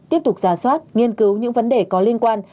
tiếp tục giả soát nghiên cứu những vấn đề có liên quan